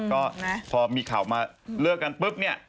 ก็พอมีข่าวมาเลิกกันปุ๊บเนี่ย